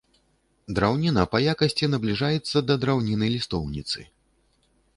Драўніна па якасці набліжаецца да драўніны лістоўніцы.